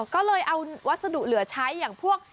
ก็เลยเอาวัสดุเหลือใช้อย่างพวก